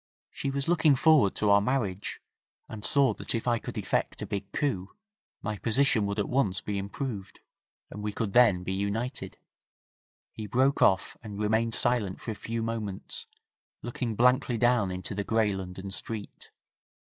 She was looking forward to our marriage, and saw that if I could effect a big coup my position would at once be improved, and we could then be united.' He broke off, and remained silent for a few moments, looking blankly down into the grey London street.